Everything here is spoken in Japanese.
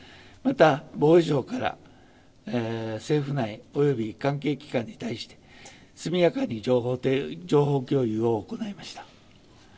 また防衛省から政府内および関係機関に対して速やかに情報共有を行いました。